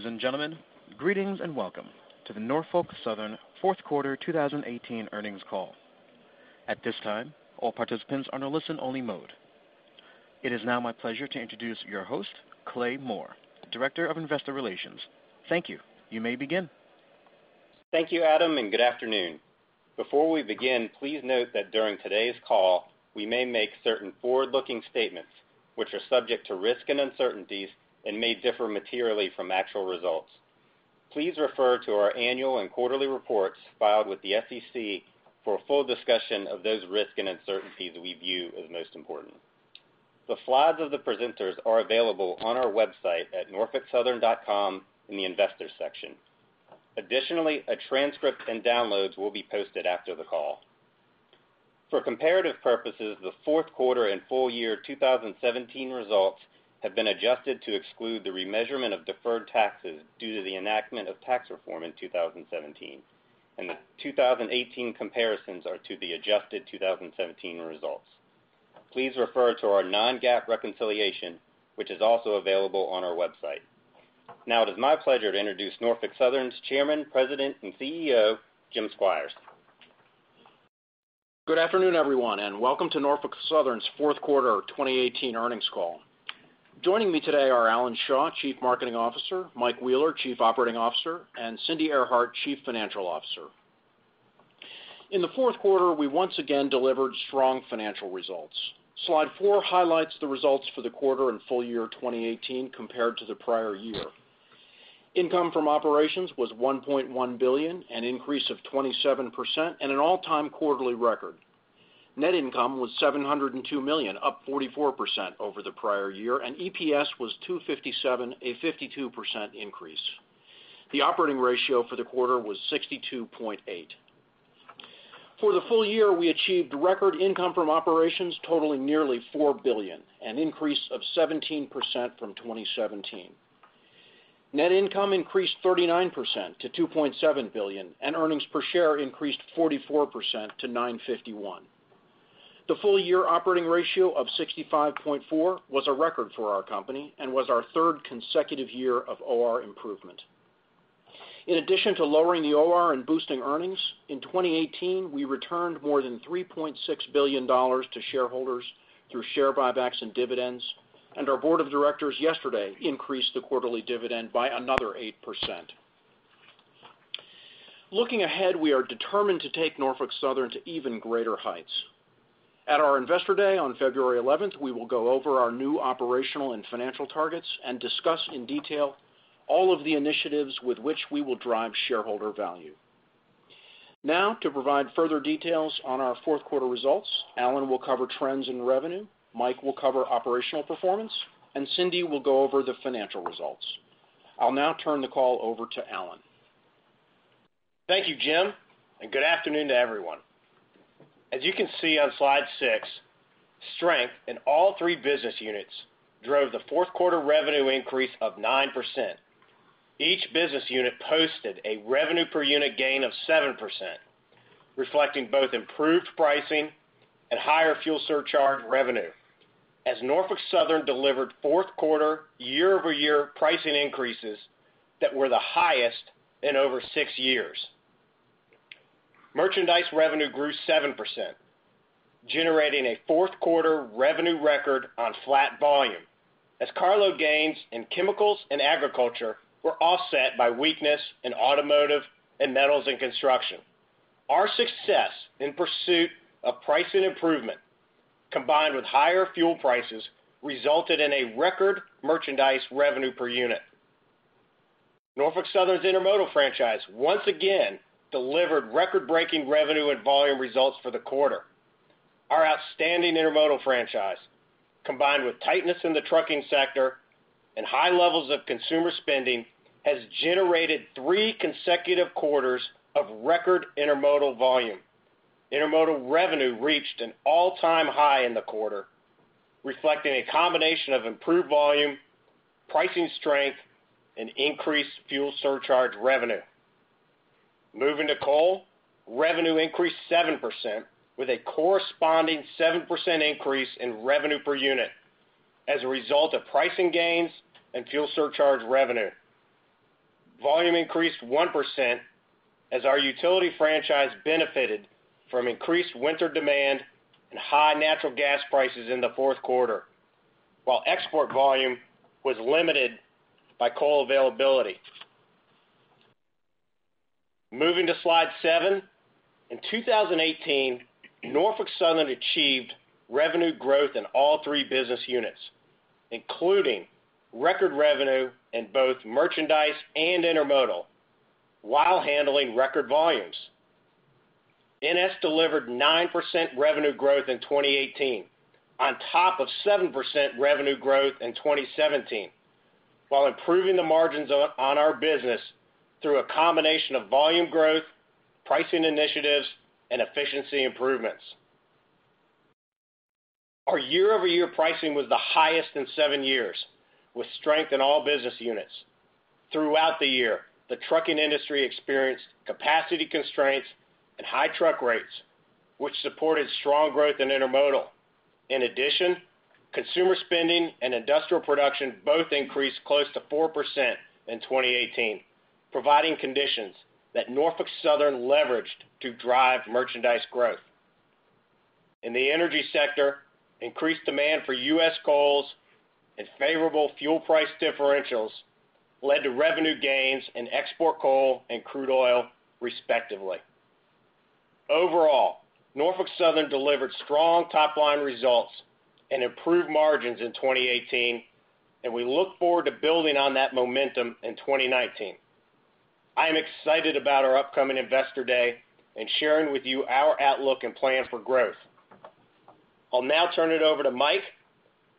Ladies and gentlemen, greetings and welcome to the Norfolk Southern Q4 2018 earnings call. At this time, all participants are in a listen-only mode. It is now my pleasure to introduce your host, Clay Moore, Director of Investor Relations. Thank you. You may begin. Thank you, Adam, and good afternoon. Before we begin, please note that during today's call, we may make certain forward-looking statements which are subject to risks and uncertainties and may differ materially from actual results. Please refer to our annual and quarterly reports filed with the SEC for a full discussion of those risks and uncertainties we view as most important. The slides of the presenters are available on our website at norfolksouthern.com in the Investors section. Additionally, a transcript and downloads will be posted after the call. For comparative purposes, the Q4 and full year 2017 results have been adjusted to exclude the remeasurement of deferred taxes due to the enactment of tax reform in 2017. The 2018 comparisons are to the adjusted 2017 results. Please refer to our non-GAAP reconciliation, which is also available on our website. Now it is my pleasure to introduce Norfolk Southern's Chairman, President, and CEO, Jim Squires. Good afternoon, everyone, and welcome to Norfolk Southern's Q4 2018 earnings call. Joining me today are Alan Shaw, Chief Marketing Officer, Mike Wheeler, Chief Operating Officer, and Cindy Earhart, Chief Financial Officer. In the Q4, we once again delivered strong financial results. Slide four highlights the results for the quarter and full year 2018 compared to the prior year. Income from operations was $1.1 billion, an increase of 27% and an all-time quarterly record. Net income was $702 million, up 44% over the prior year, and EPS was $2.57, a 52% increase. The operating ratio for the quarter was 62.8. For the full year, we achieved record income from operations totaling nearly $4 billion, an increase of 17% from 2017. Net income increased 39% to $2.7 billion, and earnings per share increased 44% to $9.51. The full-year operating ratio of 65.4 was a record for our company and was our third consecutive year of OR improvement. In addition to lowering the OR and boosting earnings, in 2018, we returned more than $3.6 billion to shareholders through share buybacks and dividends, and our board of directors yesterday increased the quarterly dividend by another 8%. Looking ahead, we are determined to take Norfolk Southern to even greater heights. At our Investor Day on February 11th, we will go over our new operational and financial targets and discuss in detail all of the initiatives with which we will drive shareholder value. Now, to provide further details on our Q4 results, Alan will cover trends in revenue, Mike will cover operational performance, and Cindy will go over the financial results. I will now turn the call over to Alan. Thank you, Jim, and good afternoon to everyone. As you can see on slide six, strength in all three business units drove the Q4 revenue increase of 9%. Each business unit posted a revenue per unit gain of 7%, reflecting both improved pricing and higher fuel surcharge revenue as Norfolk Southern delivered Q4 year-over-year pricing increases that were the highest in over six years. Merchandise revenue grew 7%, generating a Q4 revenue record on flat volume as car load gains in chemicals and agriculture were offset by weakness in automotive and metals and construction. Our success in pursuit of pricing improvement, combined with higher fuel prices, resulted in a record merchandise revenue per unit. Norfolk Southern's intermodal franchise once again delivered record-breaking revenue and volume results for the quarter. Our outstanding intermodal franchise, combined with tightness in the trucking sector and high levels of consumer spending, has generated three consecutive quarters of record intermodal volume. Intermodal revenue reached an all-time high in the quarter, reflecting a combination of improved volume, pricing strength, and increased fuel surcharge revenue. Moving to coal, revenue increased 7% with a corresponding 7% increase in revenue per unit as a result of pricing gains and fuel surcharge revenue. Volume increased 1% as our utility franchise benefited from increased winter demand and high natural gas prices in the Q4, while export volume was limited by coal availability. Moving to slide seven. In 2018, Norfolk Southern achieved revenue growth in all three business units, including record revenue in both merchandise and intermodal while handling record volumes. NS delivered 9% revenue growth in 2018 on top of 7% revenue growth in 2017 while improving the margins on our business through a combination of volume growth, pricing initiatives, and efficiency improvements. Our year-over-year pricing was the highest in seven years, with strength in all business units. Throughout the year, the trucking industry experienced capacity constraints and high truck rates, which supported strong growth in intermodal In addition, consumer spending and industrial production both increased close to 4% in 2018, providing conditions that Norfolk Southern leveraged to drive merchandise growth. In the energy sector, increased demand for U.S. coals and favorable fuel price differentials led to revenue gains in export coal and crude oil, respectively. Overall, Norfolk Southern delivered strong top-line results and improved margins in 2018, and we look forward to building on that momentum in 2019. I am excited about our upcoming Investor Day and sharing with you our outlook and plan for growth. I'll now turn it over to Mike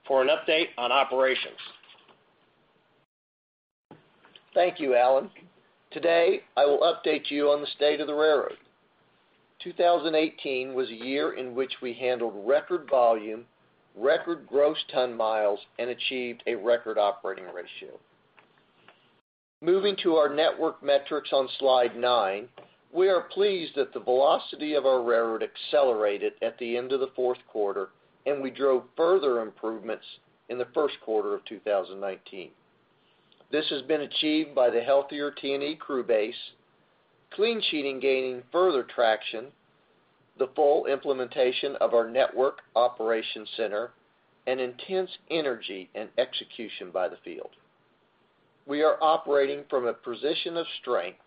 for an update on operations. Thank you, Alan. Today, I will update you on the state of the railroad. 2018 was a year in which we handled record volume, record gross ton miles, and achieved a record operating ratio. Moving to our network metrics on Slide nine, we are pleased that the velocity of our railroad accelerated at the end of the Q4, and we drove further improvements in the Q1 of 2019. This has been achieved by the healthier T&E crew base, clean sheeting gaining further traction, the full implementation of our network operation center, and intense energy and execution by the field. We are operating from a position of strength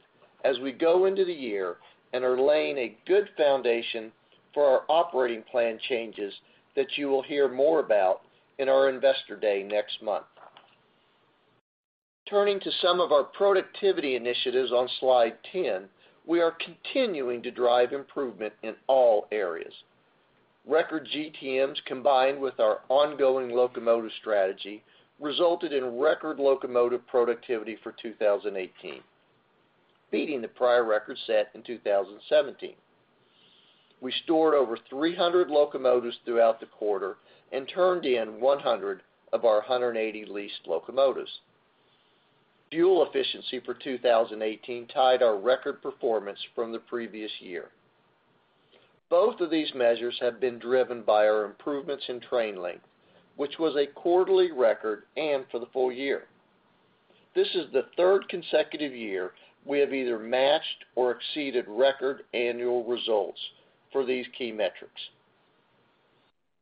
as we go into the year and are laying a good foundation for our operating plan changes that you will hear more about in our Investor Day next month. Turning to some of our productivity initiatives on Slide 10, we are continuing to drive improvement in all areas. Record GTMs combined with our ongoing locomotive strategy resulted in record locomotive productivity for 2018, beating the prior record set in 2017. We stored over 300 locomotives throughout the quarter and turned in 100 of our 180 leased locomotives. Fuel efficiency for 2018 tied our record performance from the previous year. Both of these measures have been driven by our improvements in train length, which was a quarterly record and for the full year. This is the third consecutive year we have either matched or exceeded record annual results for these key metrics.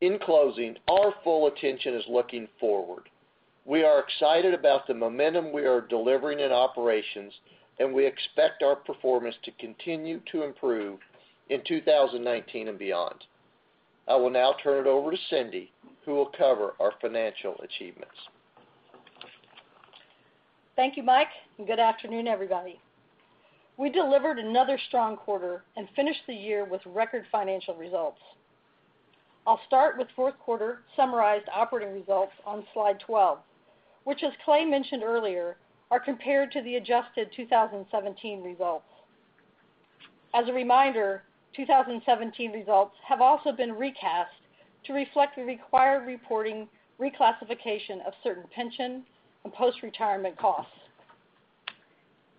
In closing, our full attention is looking forward. We are excited about the momentum we are delivering in operations, and we expect our performance to continue to improve in 2019 and beyond. I will now turn it over to Cindy, who will cover our financial achievements. Thank you, Mike, good afternoon, everybody. We delivered another strong quarter and finished the year with record financial results. I will start with Q4 summarized operating results on Slide 12, which, as Clay mentioned earlier, are compared to the adjusted 2017 results. As a reminder, 2017 results have also been recast to reflect the required reporting reclassification of certain pension and post-retirement costs.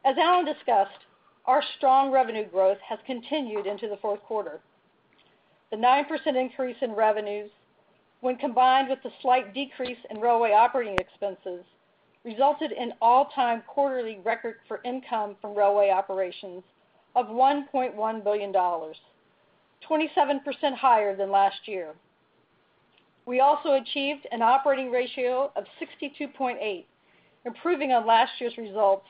As Alan discussed, our strong revenue growth has continued into the Q4. The 9% increase in revenues, when combined with the slight decrease in railway operating expenses, resulted in all-time quarterly record for income from railway operations of $1.1 billion, 27% higher than last year. We also achieved an operating ratio of 62.8, improving on last year's results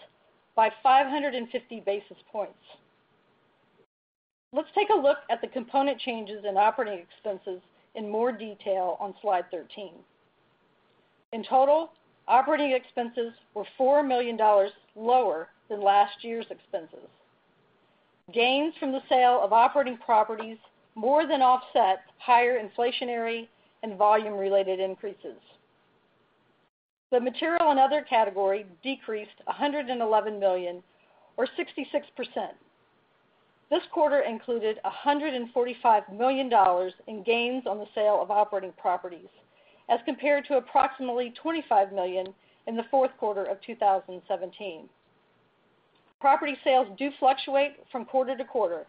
by 550 basis points. Let's take a look at the component changes in operating expenses in more detail on Slide 13. In total, operating expenses were $4 million lower than last year's expenses. Gains from the sale of operating properties more than offset higher inflationary and volume-related increases. The material and other category decreased $111 million or 66%. This quarter included $145 million in gains on the sale of operating properties, as compared to approximately $25 million in the Q4 of 2017. Property sales do fluctuate from quarter to quarter.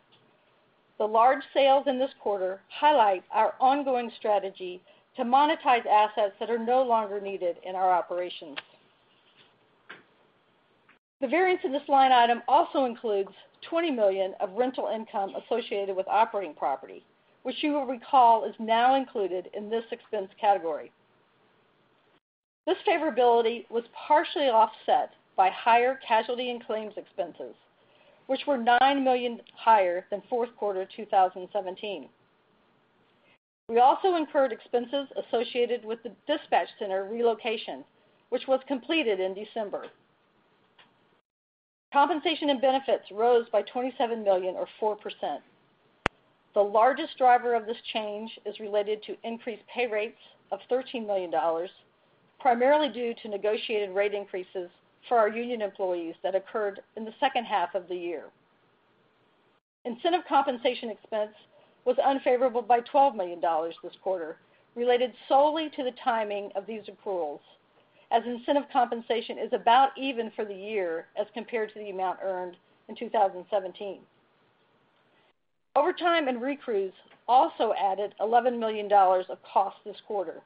The large sales in this quarter highlight our ongoing strategy to monetize assets that are no longer needed in our operations. The variance in this line item also includes $20 million of rental income associated with operating property, which you will recall is now included in this expense category. This favorability was partially offset by higher casualty and claims expenses, which were $9 million higher than Q4 2017. We also incurred expenses associated with the dispatch center relocation, which was completed in December. Compensation and benefits rose by $27 million or 4%. The largest driver of this change is related to increased pay rates of $13 million, primarily due to negotiated rate increases for our union employees that occurred in the second half of the year. Incentive compensation expense was unfavorable by $12 million this quarter, related solely to the timing of these accruals, as incentive compensation is about even for the year as compared to the amount earned in 2017. Overtime and recrews also added $11 million of cost this quarter.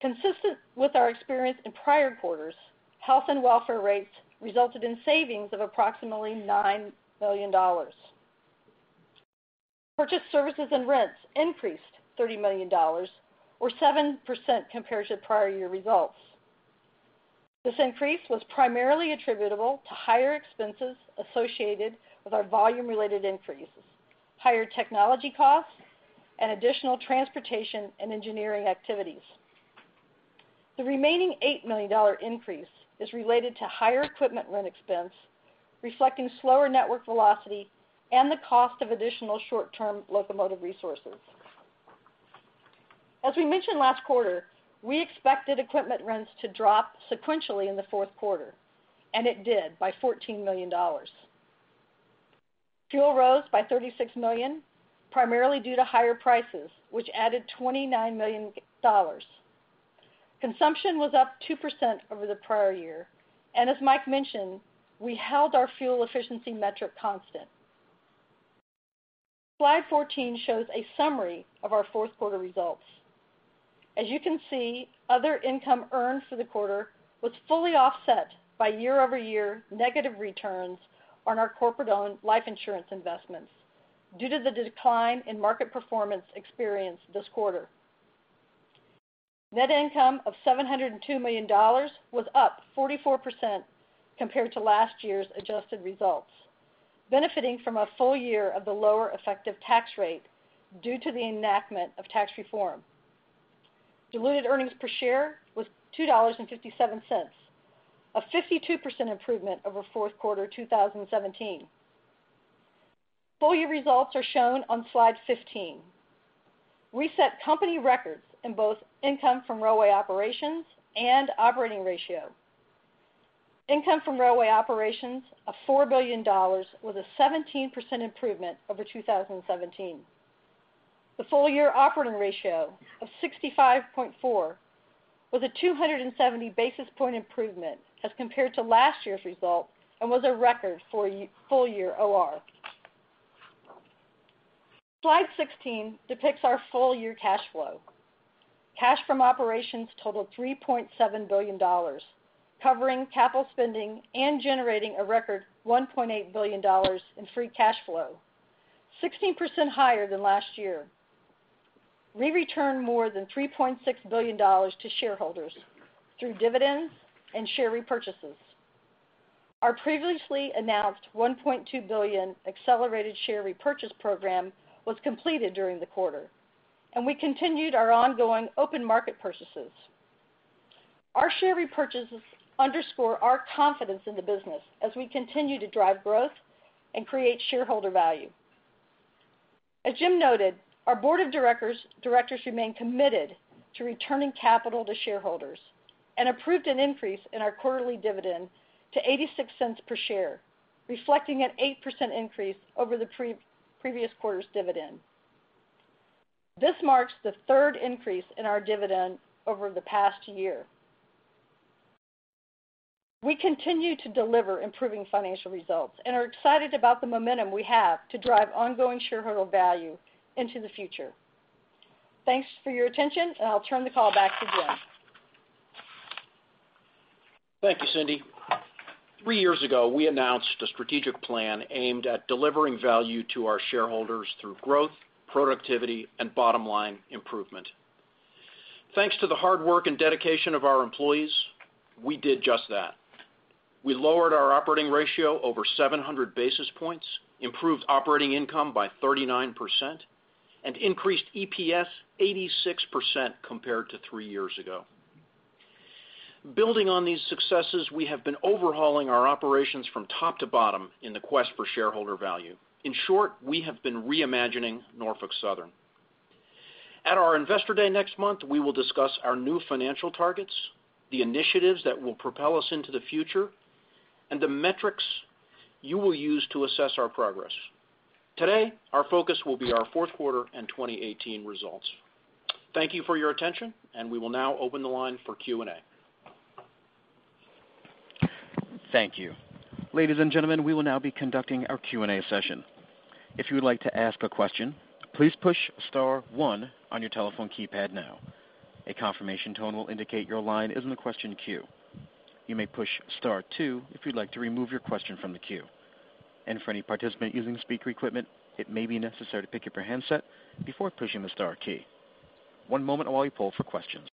Consistent with our experience in prior quarters, health and welfare rates resulted in savings of approximately $9 million. Purchased services and rents increased $30 million or 7% compared to prior year results. This increase was primarily attributable to higher expenses associated with our volume-related increases, higher technology costs, and additional transportation and engineering activities. The remaining $8 million increase is related to higher equipment rent expense, reflecting slower network velocity and the cost of additional short-term locomotive resources. As we mentioned last quarter, we expected equipment rents to drop sequentially in the Q4, and it did by $14 million. Fuel rose by $36 million, primarily due to higher prices, which added $29 million. Consumption was up 2% over the prior year, and as Mike mentioned, we held our fuel efficiency metric constant. Slide 14 shows a summary of our Q4 results. As you can see, other income earned for the quarter was fully offset by year-over-year negative returns on our corporate-owned life insurance investments due to the decline in market performance experienced this quarter. Net income of $702 million was up 44% compared to last year's adjusted results, benefiting from a full year of the lower effective tax rate due to the enactment of tax reform. Diluted earnings per share was $2.57, a 52% improvement over Q4 2017. Full year results are shown on slide 15. We set company records in both income from railway operations and operating ratio. Income from railway operations of $4 billion was a 17% improvement over 2017. The full-year operating ratio of 65.4 was a 270 basis point improvement as compared to last year's result and was a record for full year OR. Slide 16 depicts our full-year cash flow. Cash from operations totaled $3.7 billion, covering capital spending and generating a record $1.8 billion in free cash flow, 16% higher than last year. We returned more than $3.6 billion to shareholders through dividends and share repurchases. Our previously announced $1.2 billion accelerated share repurchase program was completed during the quarter. We continued our ongoing open market purchases. Our share repurchases underscore our confidence in the business as we continue to drive growth and create shareholder value. As Jim noted, our board of directors remain committed to returning capital to shareholders and approved an increase in our quarterly dividend to $0.86 per share, reflecting an 8% increase over the previous quarter's dividend. This marks the third increase in our dividend over the past year. We continue to deliver improving financial results and are excited about the momentum we have to drive ongoing shareholder value into the future. Thanks for your attention. I'll turn the call back to Jim. Thank you, Cindy. Three years ago, we announced a strategic plan aimed at delivering value to our shareholders through growth, productivity, and bottom-line improvement. Thanks to the hard work and dedication of our employees, we did just that. We lowered our operating ratio over 700 basis points, improved operating income by 39%, and increased EPS 86% compared to three years ago. Building on these successes, we have been overhauling our operations from top to bottom in the quest for shareholder value. In short, we have been reimagining Norfolk Southern. At our Investor Day next month, we will discuss our new financial targets, the initiatives that will propel us into the future, and the metrics you will use to assess our progress. Today, our focus will be our Q4 and 2018 results. Thank you for your attention. We will now open the line for Q&A. Thank you. Ladies and gentlemen, we will now be conducting our Q&A session. If you would like to ask a question, please push star one on your telephone keypad now. A confirmation tone will indicate your line is in the question queue. You may push star two if you'd like to remove your question from the queue. For any participant using speaker equipment, it may be necessary to pick up your handset before pushing the star key. One moment while we poll for questions.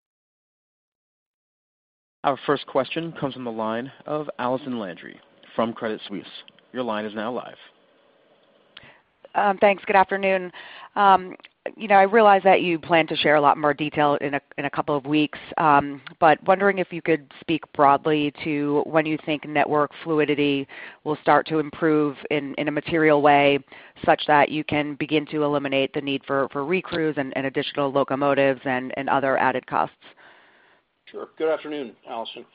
Our first question comes from the line of Allison Landry from Credit Suisse. Your line is now live. Thanks. Good afternoon. I realize that you plan to share a lot more detail in a couple of weeks. Wondering if you could speak broadly to when you think network fluidity will start to improve in a material way such that you can begin to eliminate the need for recrews and additional locomotives and other added costs. Sure. Good afternoon, Allison.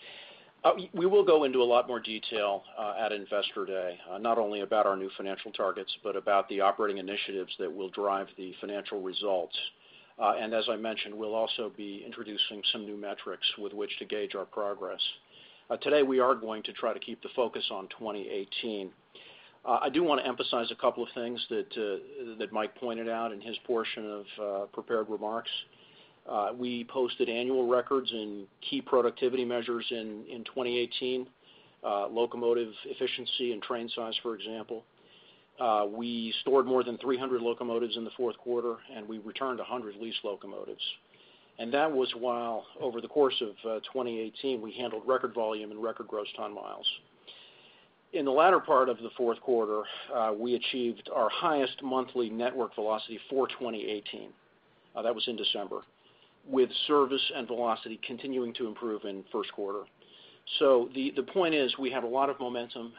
We will go into a lot more detail at Investor Day, not only about our new financial targets, but about the operating initiatives that will drive the financial results. As I mentioned, we'll also be introducing some new metrics with which to gauge our progress. Today, we are going to try to keep the focus on 2018. I do want to emphasize a couple of things that Mike pointed out in his portion of prepared remarks. We posted annual records in key productivity measures in 2018, locomotive efficiency and train size, for example. We stored more than 300 locomotives in the Q4, and we returned 100 leased locomotives. That was while over the course of 2018, we handled record volume and record gross ton miles. In the latter part of the Q4, we achieved our highest monthly network velocity for 2018, that was in December, with service and velocity continuing to improve in Q1. The point is, we have a lot of momentum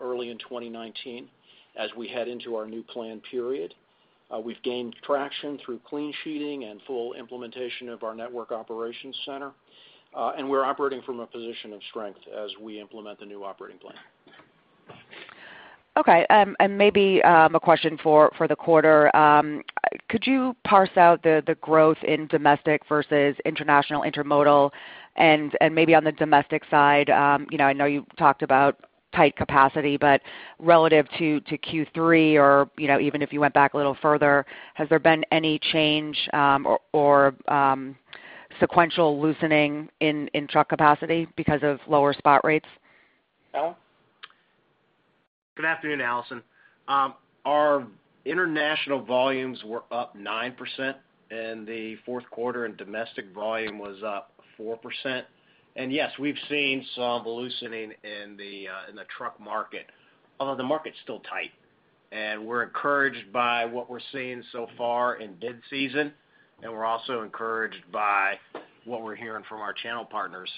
early in 2019 as we head into our new plan period. We've gained traction through clean sheeting and full implementation of our network operations center. We're operating from a position of strength as we implement the new operating plan. Okay. Maybe a question for the quarter. Could you parse out the growth in domestic versus international intermodal and maybe on the domestic side, I know you talked about tight capacity, relative to Q3 or even if you went back a little further, has there been any change or sequential loosening in truck capacity because of lower spot rates? Alan? Good afternoon, Allison. Our international volumes were up 9% in the Q4, domestic volume was up 4%. Yes, we've seen some loosening in the truck market, although the market's still tight. We're encouraged by what we're seeing so far in bid season, and we're also encouraged by what we're hearing from our channel partners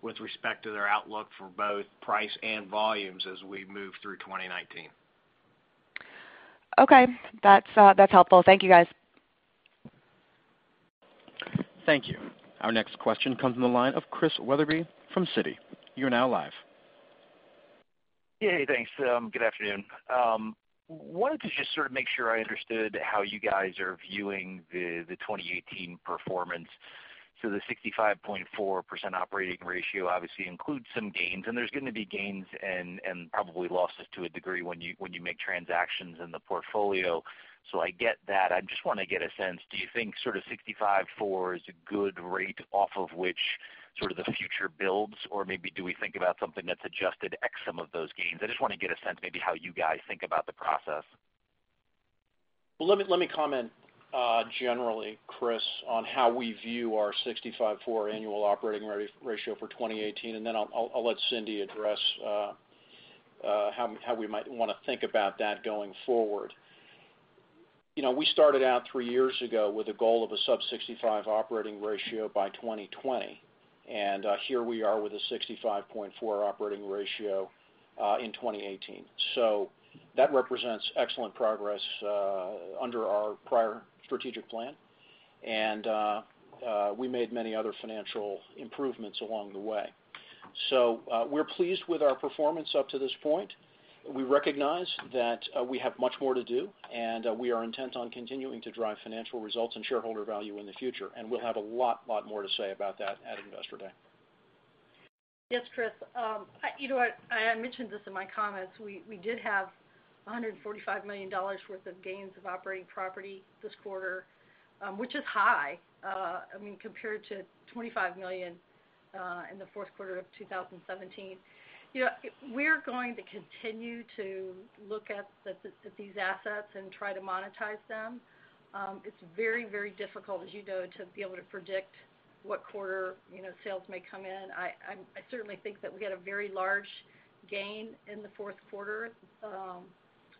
with respect to their outlook for both price and volumes as we move through 2019. Okay. That's helpful. Thank you, guys. Thank you. Our next question comes from the line of Chris Wetherbee from Citi. You are now live. Hey, thanks. Good afternoon. Wanted to just sort of make sure I understood how you guys are viewing the 2018 performance. The 65.4% operating ratio obviously includes some gains, there's going to be gains and probably losses to a degree when you make transactions in the portfolio. I get that. I just want to get a sense, do you think sort of 65.4% is a good rate off of which sort of the future builds, or maybe do we think about something that's adjusted ex some of those gains? I just want to get a sense maybe how you guys think about the process. Let me comment generally, Chris, on how we view our 65.4% annual operating ratio for 2018, and then I'll let Cindy address how we might want to think about that going forward. We started out three years ago with a goal of a sub 65% operating ratio by 2020, and here we are with a 65.4% operating ratio in 2018. That represents excellent progress under our prior strategic plan, and we made many other financial improvements along the way. We're pleased with our performance up to this point. We recognize that we have much more to do, and we are intent on continuing to drive financial results and shareholder value in the future, and we'll have a lot more to say about that at Investor Day. Yes, Chris. I mentioned this in my comments. We did have $145 million worth of gains of operating property this quarter, which is high compared to $25 million in the Q4 of 2017. We're going to continue to look at these assets and try to monetize them. It's very difficult, as you know, to be able to predict what quarter sales may come in. I certainly think that we had a very large gain in the Q4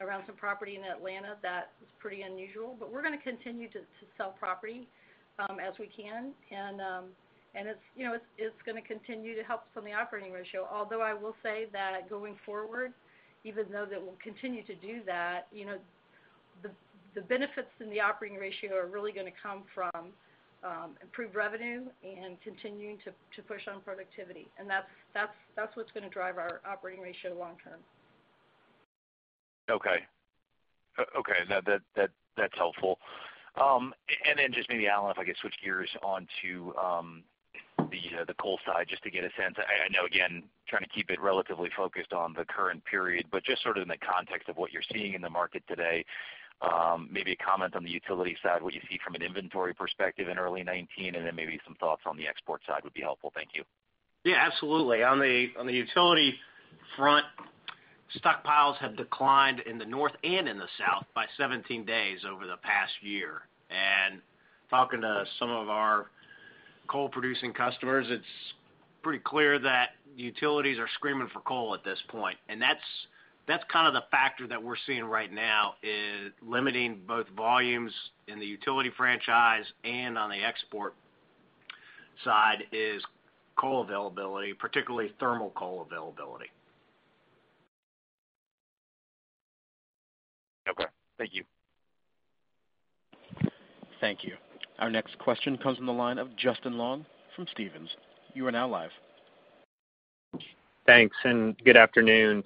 around some property in Atlanta that was pretty unusual. We're going to continue to sell property as we can, and it's going to continue to help from the operating ratio. Although I will say that going forward, even though that we'll continue to do that, the benefits in the operating ratio are really going to come from improved revenue and continuing to push on productivity. That's what's going to drive our operating ratio long term. Okay. That's helpful. Just maybe, Alan, if I could switch gears onto the coal side, just to get a sense. I know, again, trying to keep it relatively focused on the current period, but just sort of in the context of what you're seeing in the market today, maybe a comment on the utility side, what you see from an inventory perspective in early 2019, and then maybe some thoughts on the export side would be helpful. Thank you. Yeah, absolutely. On the utility front, stockpiles have declined in the north and in the south by 17 days over the past year. Talking to some of our coal producing customers, it's pretty clear that utilities are screaming for coal at this point, that's kind of the factor that we're seeing right now is limiting both volumes in the utility franchise and on the export side is coal availability, particularly thermal coal availability. Okay. Thank you. Thank you. Our next question comes from the line of Justin Long from Stephens. You are now live. Thanks, good afternoon.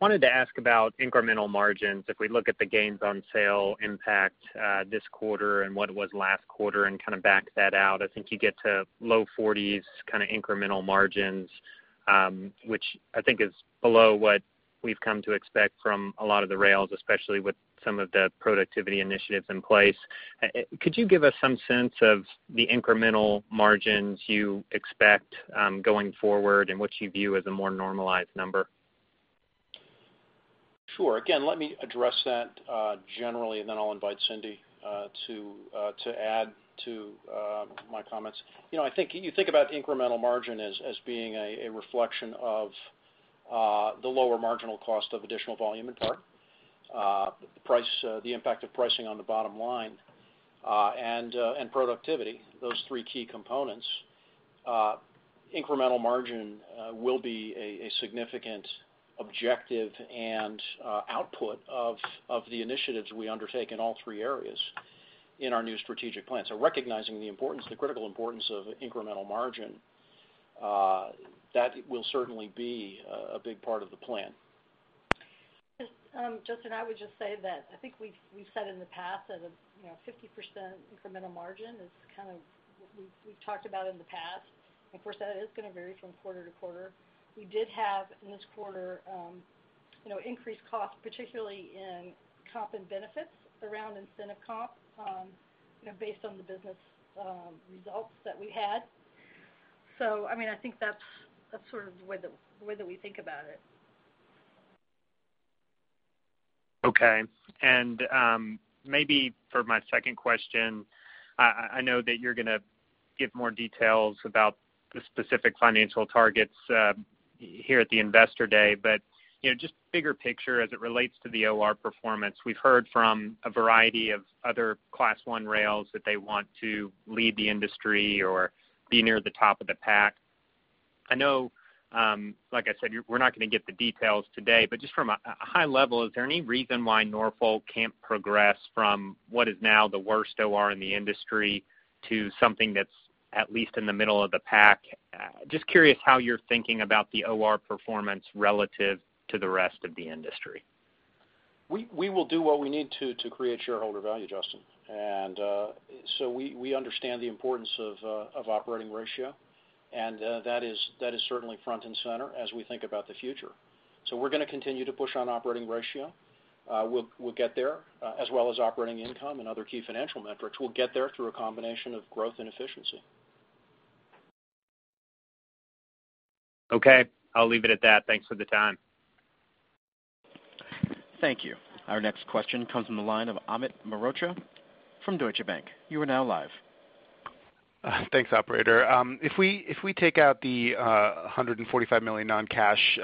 Wanted to ask about incremental margins. If we look at the gains on sale impact this quarter and what it was last quarter kind of back that out, I think you get to low 40s kind of incremental margins. Which I think is below what we've come to expect from a lot of the rails, especially with some of the productivity initiatives in place. Could you give us some sense of the incremental margins you expect going forward and what you view as a more normalized number? Sure. Again, let me address that generally, and then I'll invite Cindy to add to my comments. You think about incremental margin as being a reflection of the lower marginal cost of additional volume in part, the impact of pricing on the bottom line, and productivity, those three key components. Incremental margin will be a significant objective and output of the initiatives we undertake in all three areas in our new strategic plan. Recognizing the critical importance of incremental margin, that will certainly be a big part of the plan. Justin, I would just say that I think we've said in the past that 50% incremental margin is kind of what we've talked about in the past. Of course, that is going to vary from quarter to quarter. We did have, in this quarter, increased costs, particularly in comp and benefits around incentive comp based on the business results that we had. I think that's the way that we think about it. Okay. Maybe for my second question, I know that you're going to give more details about the specific financial targets here at the Investor Day, but just bigger picture as it relates to the OR performance. We've heard from a variety of other Class I rails that they want to lead the industry or be near the top of the pack. I know, like I said, we're not going to get the details today, but just from a high level, is there any reason why Norfolk can't progress from what is now the worst OR in the industry to something that's at least in the middle of the pack? Just curious how you're thinking about the OR performance relative to the rest of the industry. We will do what we need to create shareholder value, Justin. We understand the importance of operating ratio, and that is certainly front and center as we think about the future. We're going to continue to push on operating ratio. We'll get there, as well as operating income and other key financial metrics. We'll get there through a combination of growth and efficiency. Okay, I'll leave it at that. Thanks for the time. Thank you. Our next question comes from the line of Amit Mehrotra from Deutsche Bank. You are now live. Thanks, operator. If we take out the $145 million non-cash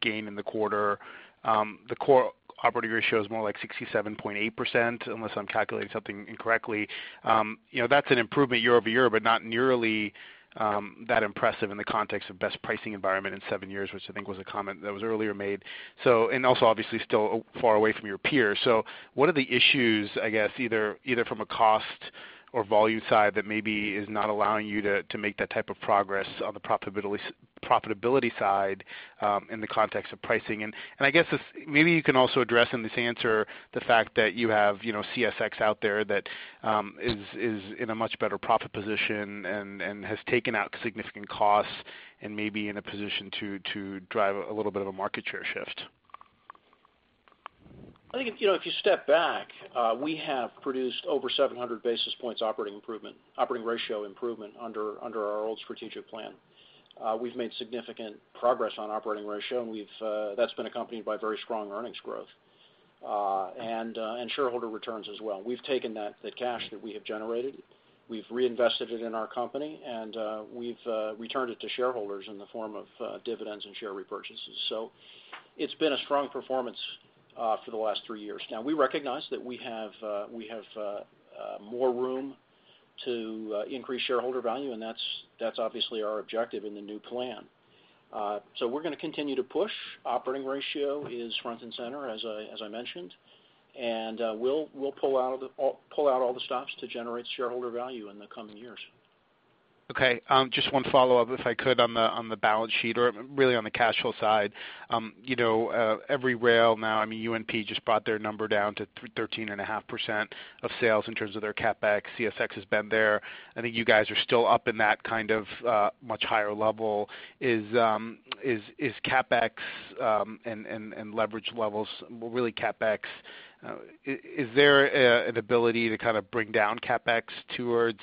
gain in the quarter, the core operating ratio is more like 67.8%, unless I'm calculating something incorrectly. That's an improvement year-over-year, but not nearly that impressive in the context of best pricing environment in seven years, which I think was a comment that was earlier made. Also obviously still far away from your peers. What are the issues, I guess, either from a cost or volume side that maybe is not allowing you to make that type of progress on the profitability side in the context of pricing? I guess maybe you can also address in this answer the fact that you have CSX out there that is in a much better profit position and has taken out significant costs and may be in a position to drive a little bit of a market share shift. I think if you step back, we have produced over 700 basis points operating ratio improvement under our old strategic plan. We've made significant progress on operating ratio, and that's been accompanied by very strong earnings growth and shareholder returns as well. We've taken that cash that we have generated, we've reinvested it in our company, and we've returned it to shareholders in the form of dividends and share repurchases. It's been a strong performance for the last three years. We recognize that we have more room to increase shareholder value, and that's obviously our objective in the new plan. We're going to continue to push. Operating ratio is front and center, as I mentioned, and we'll pull out all the stops to generate shareholder value in the coming years. Okay. Just one follow-up, if I could, on the balance sheet or really on the cash flow side. Every rail now, UNP just brought their number down to 13.5% of sales in terms of their CapEx. CSX has been there. I think you guys are still up in that kind of much higher level. Is CapEx and leverage levels, well, really CapEx, is there an ability to kind of bring down CapEx towards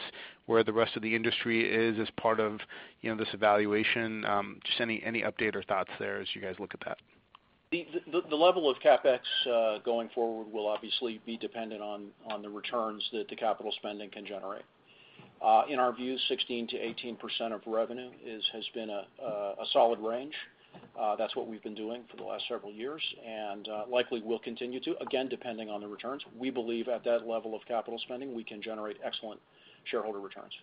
where the rest of the industry is as part of this evaluation? Just any update or thoughts there as you guys look at that. The level of CapEx going forward will obviously be dependent on the returns that the capital spending can generate. In our view, 16%-18% of revenue has been a solid range. That's what we've been doing for the last several years and likely will continue to, again, depending on the returns. We believe at that level of capital spending, we can generate excellent shareholder returns.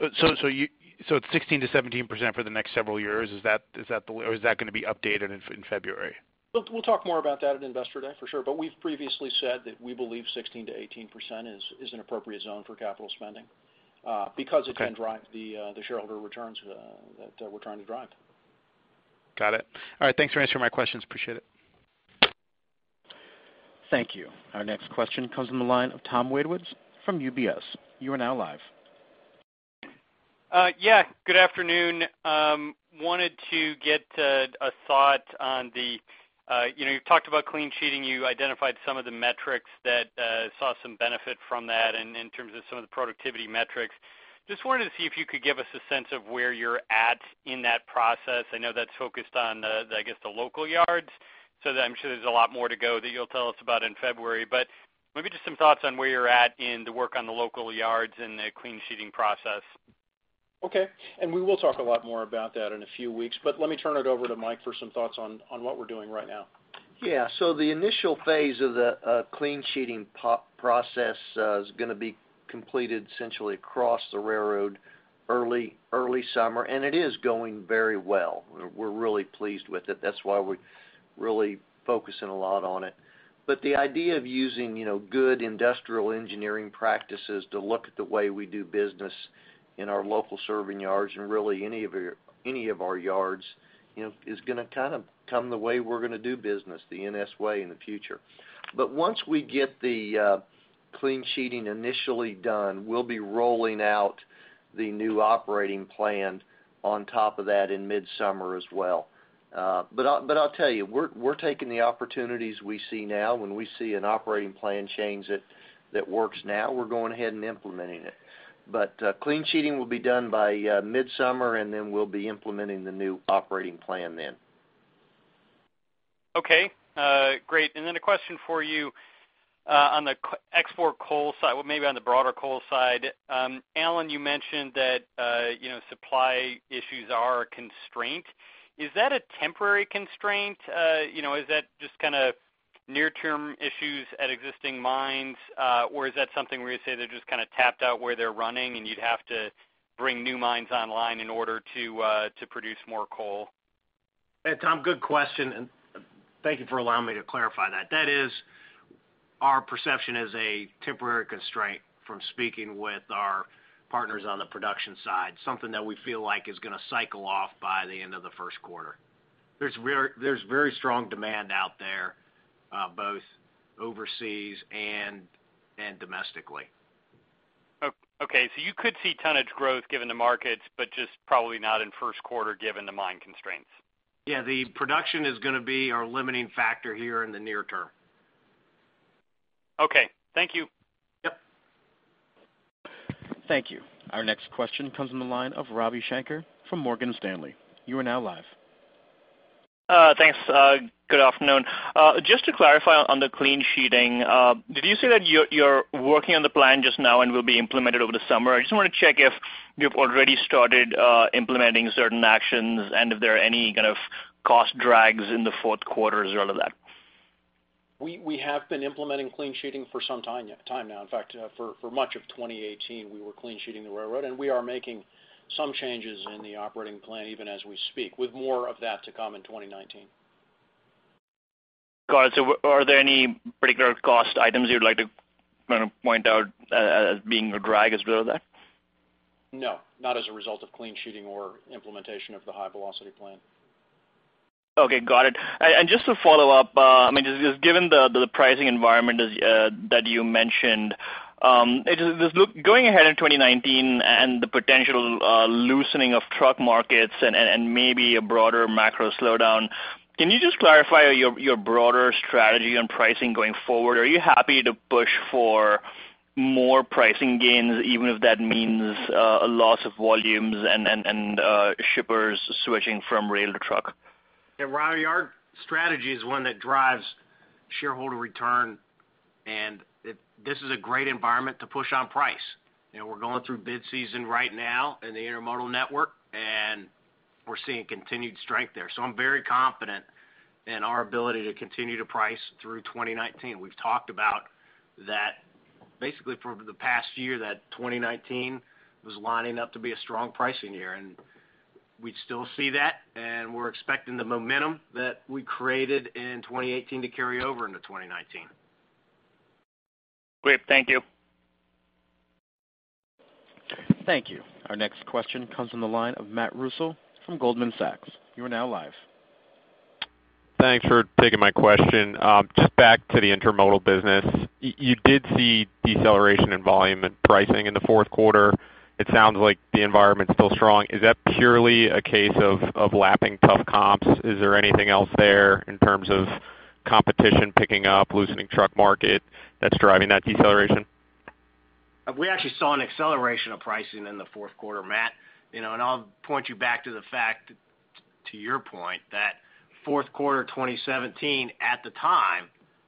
It's 16%-17% for the next several years. Is that going to be updated in February? We'll talk more about that at Investor Day, for sure. We've previously said that we believe 16%-18% is an appropriate zone for capital spending because it can drive the shareholder returns that we're trying to drive. Got it. All right, thanks for answering my questions. Appreciate it. Thank you. Our next question comes from the line of Tom Wadewitz from UBS. You are now live. Good afternoon. Wanted to get a thought on the. You've talked about clean sheeting, you identified some of the metrics that saw some benefit from that in terms of some of the productivity metrics. Wanted to see if you could give us a sense of where you're at in that process. I know that's focused on the, I guess, the local yards, so I'm sure there's a lot more to go that you'll tell us about in February, but maybe just some thoughts on where you're at in the work on the local yards and the clean sheeting process. Okay. We will talk a lot more about that in a few weeks, but let me turn it over to Mike for some thoughts on what we're doing right now. The initial phase of the clean sheeting process is going to be completed essentially across the railroad early summer, and it is going very well. We're really pleased with it. That's why we're really focusing a lot on it. The idea of using good industrial engineering practices to look at the way we do business in our local serving yards and really any of our yards is going to kind of become the way we're going to do business, the NS way in the future. Once we get the clean sheeting initially done, we'll be rolling out the new operating plan on top of that in midsummer as well. I'll tell you, we're taking the opportunities we see now. When we see an operating plan change that works now, we're going ahead and implementing it. Clean sheeting will be done by midsummer, and then we'll be implementing the new operating plan then. Okay, great. A question for you on the export coal side, well, maybe on the broader coal side. Alan, you mentioned that supply issues are a constraint. Is that a temporary constraint? Is that just kind of near term issues at existing mines? Is that something where you say they're just kind of tapped out where they're running and you'd have to bring new mines online in order to produce more coal? Hey, Tom, good question, and thank you for allowing me to clarify that. That is our perception as a temporary constraint from speaking with our partners on the production side, something that we feel like is going to cycle off by the end of the Q1. There's very strong demand out there, both overseas and domestically. Okay, you could see tonnage growth given the markets, but just probably not in Q1 given the mine constraints. The production is going to be our limiting factor here in the near term. Okay. Thank you. Yep. Thank you. Our next question comes from the line of Ravi Shanker from Morgan Stanley. You are now live. Thanks. Good afternoon. Just to clarify on the clean sheeting, did you say that you're working on the plan just now and will be implemented over the summer? I just want to check if you've already started implementing certain actions and if there are any kind of cost drags in the Q4 as a result of that. We have been implementing clean sheeting for some time now. In fact, for much of 2018, we were clean sheeting the railroad, and we are making some changes in the operating plan even as we speak, with more of that to come in 2019. Got it. Are there any particular cost items you'd like to kind of point out as being a drag as a result of that? No, not as a result of clean sheeting or implementation of the high-velocity plan. Okay, got it. Just to follow up, just given the pricing environment that you mentioned, going ahead in 2019 and the potential loosening of truck markets and maybe a broader macro slowdown, can you just clarify your broader strategy on pricing going forward? Are you happy to push for more pricing gains, even if that means a loss of volumes and shippers switching from rail to truck? Yeah, Ravi, our strategy is one that drives shareholder return, and this is a great environment to push on price. We're going through bid season right now in the intermodal network, and we're seeing continued strength there. I'm very confident in our ability to continue to price through 2019. We've talked about that basically for the past year, that 2019 was lining up to be a strong pricing year, and we still see that, and we're expecting the momentum that we created in 2018 to carry over into 2019. Great. Thank you. Thank you. Our next question comes from the line of Matt Reustle from Goldman Sachs. You are now live. Thanks for taking my question. Just back to the intermodal business, you did see deceleration in volume and pricing in the Q4. It sounds like the environment's still strong. Is that purely a case of lapping tough comps? Is there anything else there in terms of competition picking up, loosening truck market that's driving that deceleration? We actually saw an acceleration of pricing in the Q4, Matt, and I'll point you back to the fact, to your point, that Q4 2017 at the time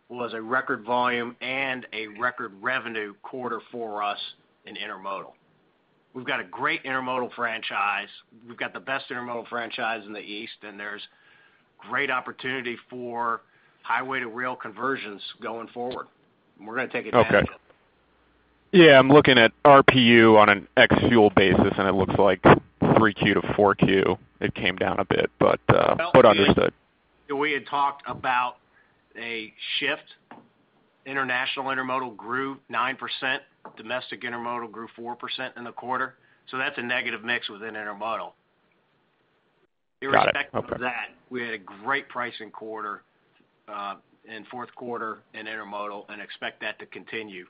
was a record volume and a record revenue quarter for us in intermodal. We've got a great intermodal franchise. We've got the best intermodal franchise in the East, and there's great opportunity for highway to rail conversions going forward, and we're going to take advantage of it. Okay. Yeah, I'm looking at RPU on an ex-fuel basis, it looks like Q3 to Q4 it came down a bit, understood. We had talked about a shift. International intermodal grew 9%, domestic intermodal grew 4% in the quarter. That's a negative mix within intermodal. Irrespective of that, we had a great pricing quarter in Q4 in intermodal and expect that to continue.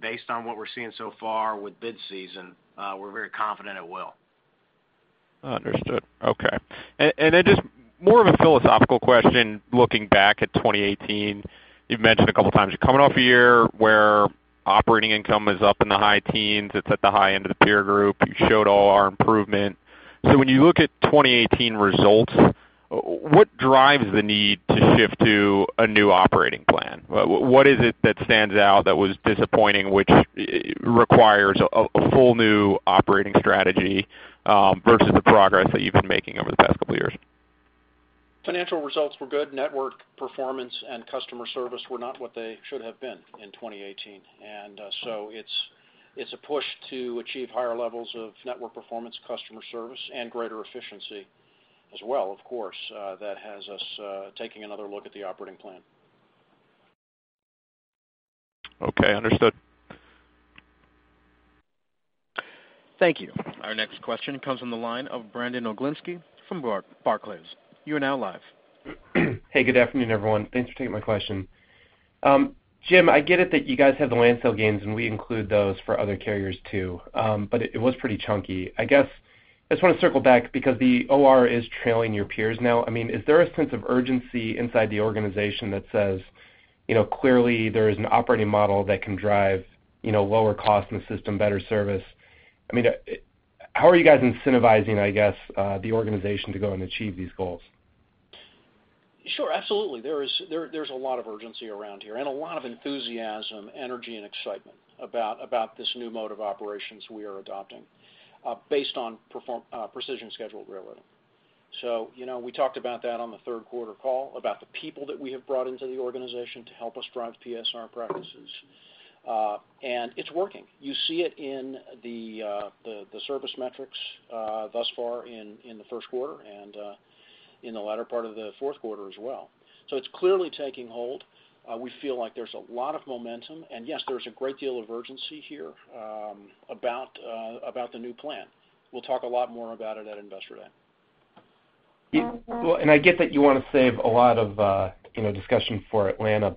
Based on what we're seeing so far with bid season, we're very confident it will. Understood. Okay. Just more of a philosophical question, looking back at 2018, you've mentioned a couple of times, you're coming off a year where operating income is up in the high teens. It's at the high end of the peer group. You showed OR improvement. When you look at 2018 results, what drives the need to shift to a new operating plan? What is it that stands out that was disappointing, which requires a whole new operating strategy versus the progress that you've been making over the past couple of years? Financial results were good. Network performance and customer service were not what they should have been in 2018. It's a push to achieve higher levels of network performance, customer service, and greater efficiency as well, of course, that has us taking another look at the operating plan. Okay, understood. Thank you. Our next question comes from the line of Brandon Oglenski from Barclays. You are now live. Hey, good afternoon, everyone. Thanks for taking my question. Jim, I get it that you guys have the land sale gains, and we include those for other carriers, too, but it was pretty chunky. I guess I just want to circle back because the OR is trailing your peers now. Is there a sense of urgency inside the organization that says, clearly there is an operating model that can drive lower cost in the system, better service? How are you guys incentivizing, I guess, the organization to go and achieve these goals? Sure, absolutely. There's a lot of urgency around here and a lot of enthusiasm, energy, and excitement about this new mode of operations we are adopting based on Precision Scheduled Railroading. We talked about that on the Q3 call, about the people that we have brought into the organization to help us drive PSR practices. It's working. You see it in the service metrics thus far in the Q1 and in the latter part of the Q4 as well. It's clearly taking hold. We feel like there's a lot of momentum, and yes, there's a great deal of urgency here about the new plan. We'll talk a lot more about it at Investor Day. I get that you want to save a lot of discussion for Atlanta.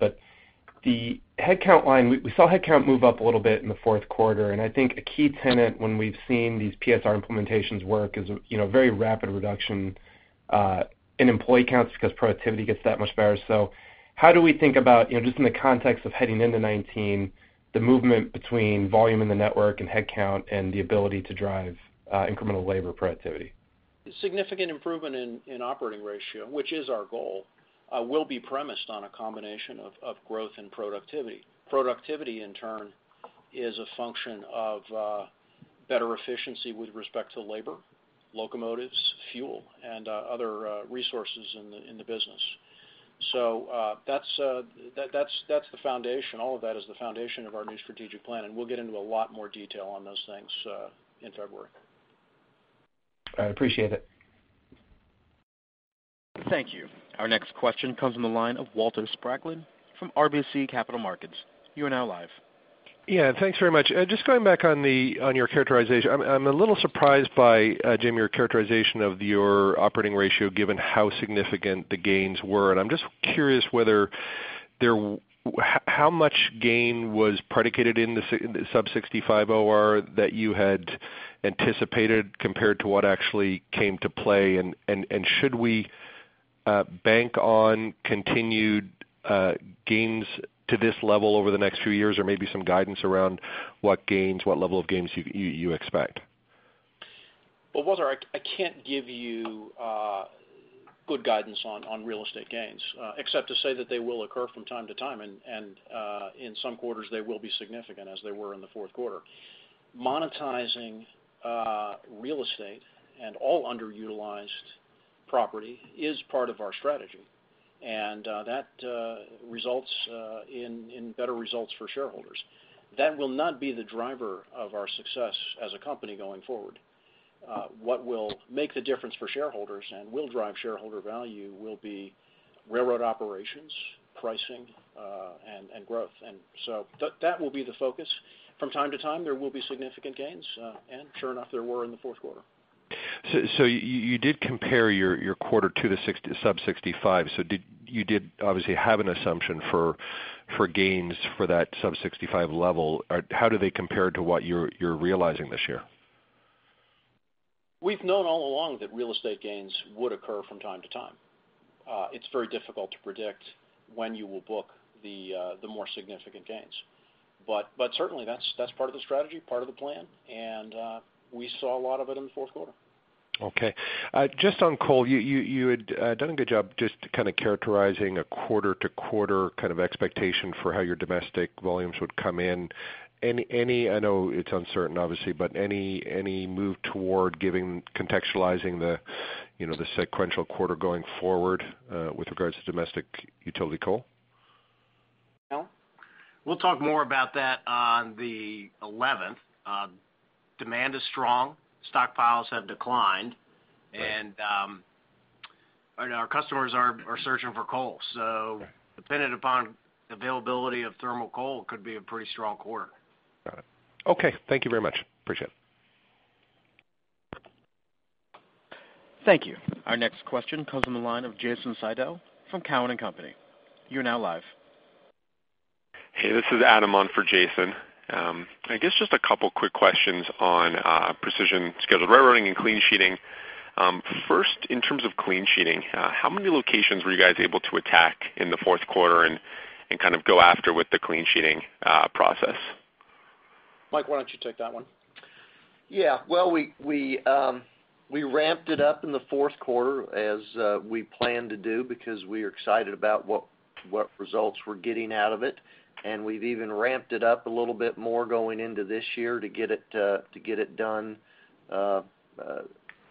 The headcount line, we saw headcount move up a little bit in the Q4. I think a key tenet when we've seen these PSR implementations work is a very rapid reduction in employee counts because productivity gets that much better. How do we think about, just in the context of heading into 2019, the movement between volume in the network and headcount and the ability to drive incremental labor productivity? Significant improvement in operating ratio, which is our goal, will be premised on a combination of growth and productivity. Productivity, in turn, is a function of better efficiency with respect to labor, locomotives, fuel, and other resources in the business. That's the foundation. All of that is the foundation of our new strategic plan. We'll get into a lot more detail on those things in February. All right. Appreciate it. Thank you. Our next question comes from the line of Walter Spracklin from RBC Capital Markets. You are now live. Yeah, thanks very much. Just going back on your characterization, I'm a little surprised by, Jim, your characterization of your operating ratio given how significant the gains were. I'm just curious how much gain was predicated in the sub 65 OR that you had anticipated compared to what actually came to play, and should we bank on continued gains to this level over the next few years or maybe some guidance around what level of gains you expect? Well, Walter, I can't give you good guidance on real estate gains except to say that they will occur from time to time, and in some quarters, they will be significant as they were in the Q4. Monetizing real estate and all underutilized property is part of our strategy, and that results in better results for shareholders. That will not be the driver of our success as a company going forward. What will make the difference for shareholders and will drive shareholder value will be railroad operations, pricing, and growth. That will be the focus. From time to time, there will be significant gains. Sure enough, there were in the Q4. You did compare your quarter two to sub 65. You did obviously have an assumption for gains for that sub 65 level. How do they compare to what you're realizing this year? We've known all along that real estate gains would occur from time to time. It's very difficult to predict when you will book the more significant gains. Certainly, that's part of the strategy, part of the plan, and we saw a lot of it in the Q4. Okay. Just on coal, you had done a good job just kind of characterizing a quarter-to-quarter kind of expectation for how your domestic volumes would come in. I know it's uncertain, obviously, but any move toward contextualizing the sequential quarter going forward with regards to domestic utility coal? No. We'll talk more about that on the 11th. Demand is strong, stockpiles have declined. Right Our customers are searching for coal. Okay It, dependent upon availability of thermal coal, could be a pretty strong quarter. Got it. Okay, thank you very much. Appreciate it. Thank you. Our next question comes on the line of Jason Seidl from Cowen and Company. You are now live. Hey, this is Adam on for Jason. I guess just a couple quick questions on Precision Scheduled Railroading and clean sheeting. First in terms of clean sheeting, how many locations were you guys able to attack in the Q4 and kind of go after with the clean sheeting process? Mike, why don't you take that one? Well, we ramped it up in the Q4 as we planned to do because we are excited about what results we're getting out of it, and we've even ramped it up a little bit more going into this year to get it done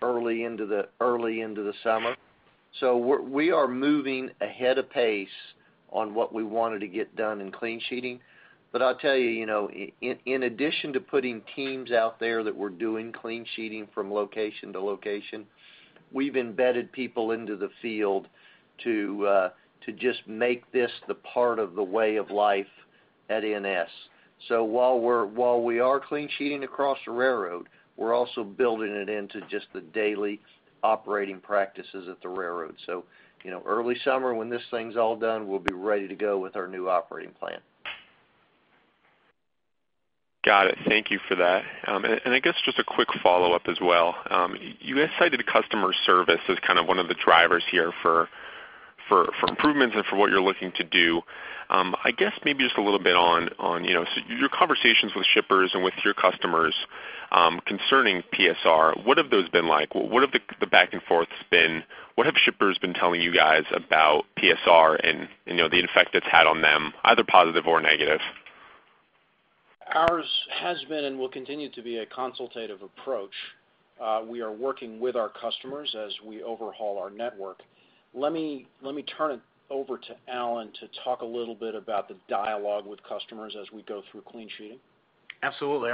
early into the summer. We are moving ahead of pace on what we wanted to get done in clean sheeting. I'll tell you, in addition to putting teams out there that were doing clean sheeting from location to location, we've embedded people into the field to just make this the part of the way of life at NS. While we are clean sheeting across the railroad, we're also building it into just the daily operating practices at the railroad. Early summer when this thing's all done, we'll be ready to go with our new operating plan. Got it. Thank you for that. I guess just a quick follow-up as well. You guys cited customer service as kind of one of the drivers here for improvements and for what you're looking to do. I guess maybe just a little bit on your conversations with shippers and with your customers concerning PSR, what have those been like? What have the back and forths been? What have shippers been telling you guys about PSR and the effect it's had on them, either positive or negative? Ours has been and will continue to be a consultative approach. We are working with our customers as we overhaul our network. Let me turn it over to Alan to talk a little bit about the dialogue with customers as we go through clean sheeting. Absolutely.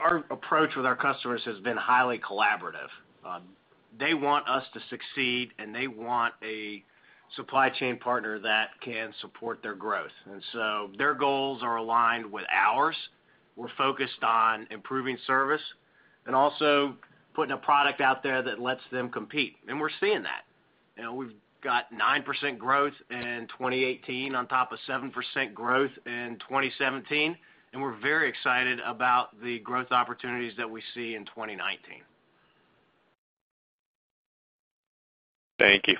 Our approach with our customers has been highly collaborative. They want us to succeed, and they want a supply chain partner that can support their growth. Their goals are aligned with ours. We're focused on improving service and also putting a product out there that lets them compete, and we're seeing that. We've got 9% growth in 2018 on top of 7% growth in 2017, and we're very excited about the growth opportunities that we see in 2019. Thank you.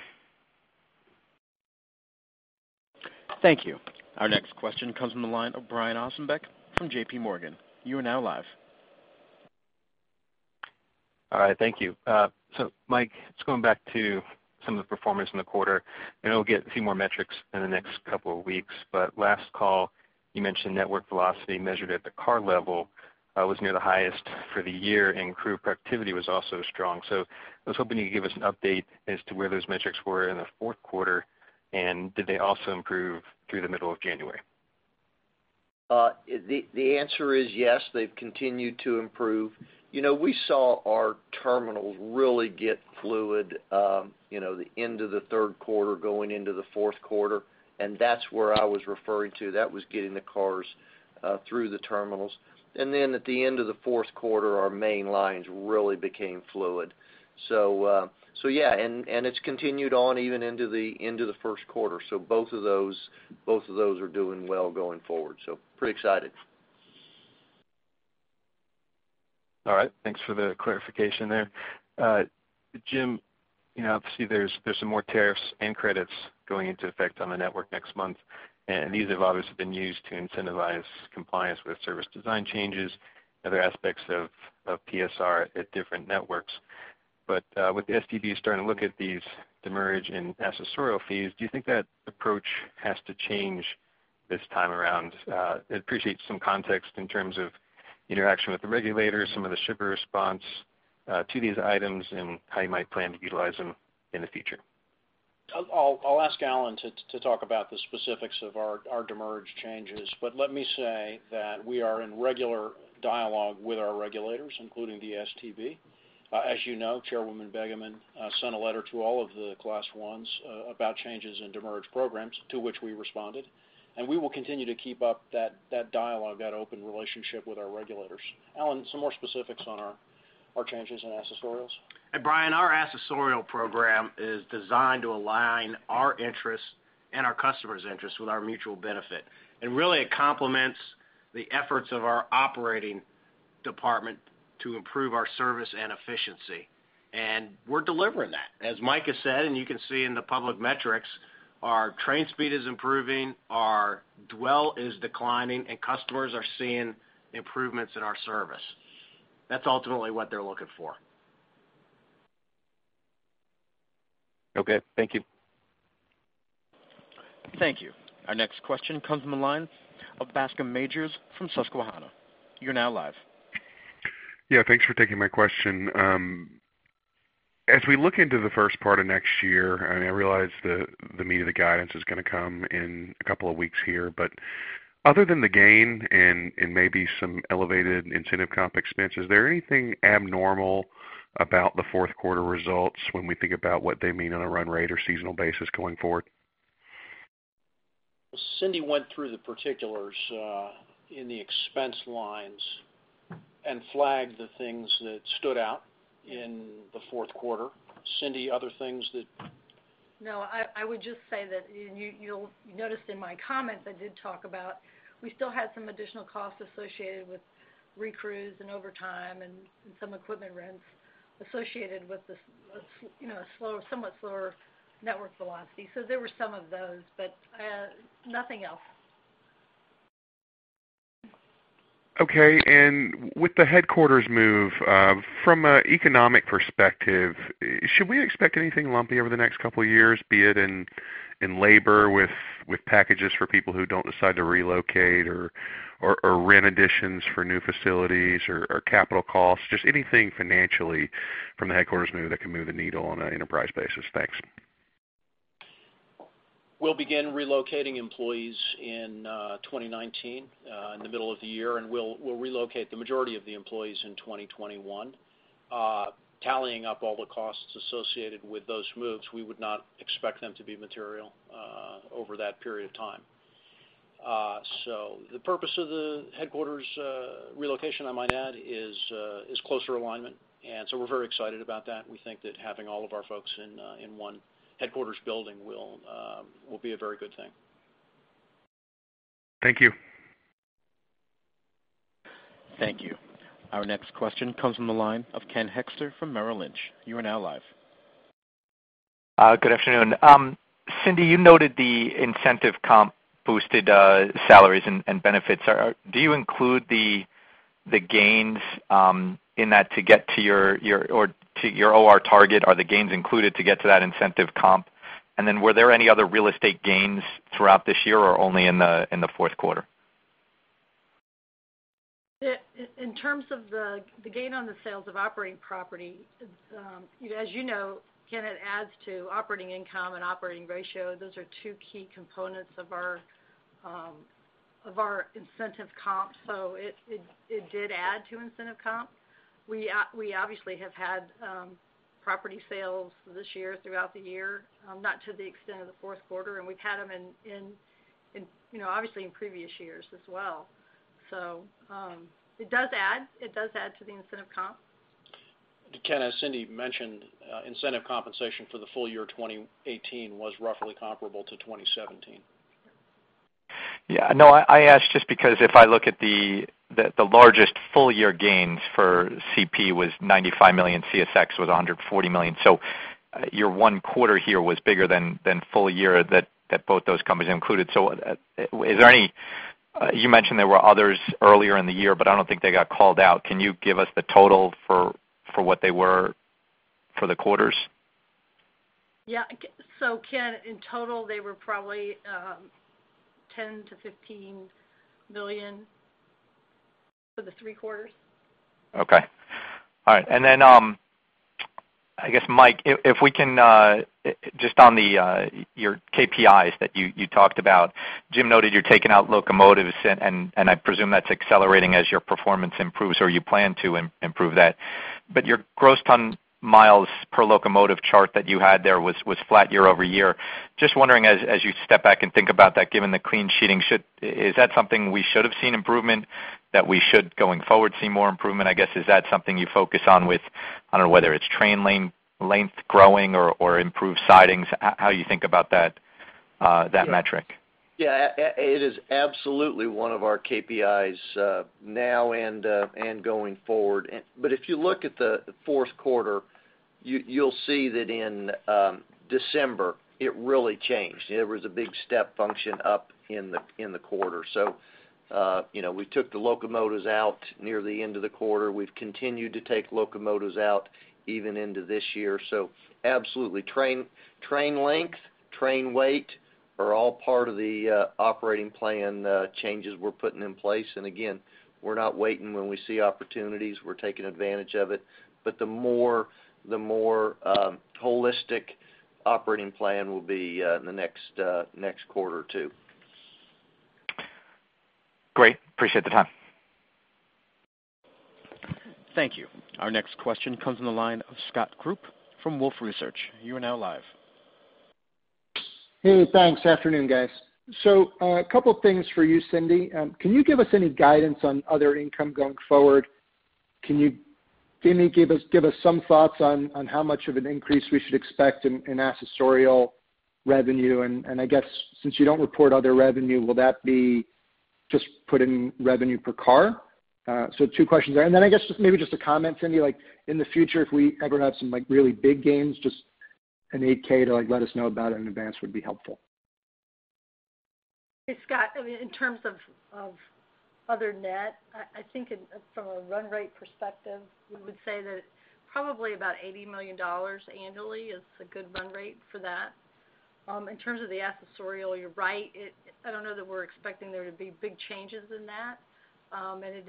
Thank you. Our next question comes from the line of Brian Ossenbeck from J.P. Morgan. You are now live. All right, thank you. Mike, just going back to some of the performance in the quarter, We'll get a few more metrics in the next couple of weeks, Last call you mentioned network velocity measured at the car level was near the highest for the year, and crew productivity was also strong. I was hoping you could give us an update as to where those metrics were in the Q4, and did they also improve through the middle of January? The answer is yes, they've continued to improve. We saw our terminals really get fluid the end of the Q3 going into the Q4, That's where I was referring to. That was getting the cars through the terminals. Then at the end of the Q4, our main lines really became fluid. Yeah, It's continued on even into the Q1. Both of those are doing well going forward. Pretty excited. All right. Thanks for the clarification there, Jim. Obviously there's some more tariffs and credits going into effect on the network next month. These have obviously been used to incentivize compliance with service design changes and other aspects of PSR at different networks. With the STB starting to look at these demurrage and accessorial fees, do you think that approach has to change this time around? I'd appreciate some context in terms of interaction with the regulators, some of the shipper response to these items, and how you might plan to utilize them in the future. I'll ask Alan to talk about the specifics of our demurrage changes. Let me say that we are in regular dialogue with our regulators, including the STB. As you know, Chairwoman Begeman sent a letter to all of the Class I's about changes in demurrage programs, to which we responded. We will continue to keep up that dialogue, that open relationship with our regulators. Alan, some more specifics on our changes in accessorials. Hey, Brian, our accessorial program is designed to align our interests and our customers' interests with our mutual benefit. Really it complements the efforts of our operating department to improve our service and efficiency. We're delivering that. As Mike has said, you can see in the public metrics, our train speed is improving, our dwell is declining. Customers are seeing improvements in our service. That's ultimately what they're looking for. Okay. Thank you. Thank you. Our next question comes on the line of Bascome Majors from Susquehanna. You're now live. Yeah, thanks for taking my question. As we look into the first part of next year, I realize the meat of the guidance is going to come in a couple of weeks here. Other than the gain and maybe some elevated incentive comp expense, is there anything abnormal about the Q4 results when we think about what they mean on a run rate or seasonal basis going forward? Cindy went through the particulars in the expense lines and flagged the things that stood out in the Q4. Cindy, other things that No, I would just say that, you'll notice in my comments, I did talk about, we still had some additional costs associated with recrews and overtime and some equipment rents associated with the somewhat slower network velocity. There were some of those, but nothing else. With the headquarters move, from an economic perspective, should we expect anything lumpy over the next couple of years, be it in labor with packages for people who don't decide to relocate or rent additions for new facilities or capital costs, just anything financially from the headquarters move that can move the needle on an enterprise basis? Thanks. We'll begin relocating employees in 2019, in the middle of the year, and we'll relocate the majority of the employees in 2021. Tallying up all the costs associated with those moves, we would not expect them to be material over that period of time. The purpose of the headquarters relocation, I might add, is closer alignment, and so we're very excited about that, and we think that having all of our folks in one headquarters building will be a very good thing. Thank you. Thank you. Our next question comes from the line of Ken Hoexter from Merrill Lynch. You are now live. Good afternoon. Cindy, you noted the incentive comp boosted salaries and benefits. Do you include the gains in that to get to your OR target? Are the gains included to get to that incentive comp? Then were there any other real estate gains throughout this year, or only in the Q4? In terms of the gain on the sales of operating property, as you know, Ken, it adds to operating income and operating ratio. Those are two key components of our incentive comp, so it did add to incentive comp. We obviously have had property sales this year throughout the year, not to the extent of the Q4, and we've had them obviously in previous years as well. It does add to the incentive comp. Ken, as Cindy mentioned, incentive compensation for the full year 2018 was roughly comparable to 2017. Yeah. No, I asked just because if I look at the largest full year gains for CP was $95 million, CSX was $140 million. Your one quarter here was bigger than full year that both those companies included. You mentioned there were others earlier in the year, but I don't think they got called out. Can you give us the total for what they were for the quarters? Ken, in total, they were probably $10 million-$15 million for the three quarters. Mike, if we can, just on your KPIs that you talked about, Jim noted you're taking out locomotives, and I presume that's accelerating as your performance improves, or you plan to improve that. Your gross ton miles per locomotive chart that you had there was flat year-over-year. Just wondering, as you step back and think about that, given the clean sheeting, is that something we should have seen improvement, that we should, going forward, see more improvement? I guess, is that something you focus on with, I don't know whether it's train length growing or improved sidings, how you think about that metric? It is absolutely one of our KPIs now and going forward. If you look at the Q4, you'll see that in December, it really changed. There was a big step function up in the quarter. We took the locomotives out near the end of the quarter. We've continued to take locomotives out even into this year. Absolutely, train length, train weight are all part of the operating plan changes we're putting in place. Again, we're not waiting when we see opportunities, we're taking advantage of it. The more holistic operating plan will be in the next quarter, too. Great. Appreciate the time. Thank you. Our next question comes from the line of Scott Group from Wolfe Research. You are now live. Hey, thanks. Afternoon, guys. A couple of things for you, Cindy. Can you give us any guidance on other income going forward? Can you maybe give us some thoughts on how much of an increase we should expect in accessorial revenue? I guess since you don't report other revenue, will that be just put in revenue per car? Two questions there, and then I guess just maybe just a comment, Cindy, like in the future, if we ever have some really big gains, just an 8-K to let us know about it in advance would be helpful. Hey, Scott. In terms of other net, I think from a run rate perspective, we would say that probably about $80 million annually is a good run rate for that. In terms of the accessorial, you're right, I don't know that we're expecting there to be big changes in that, and it